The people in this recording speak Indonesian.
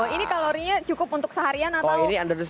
ini kalorinya cukup untuk seharian atau ini